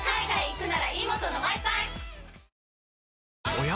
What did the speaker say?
おや？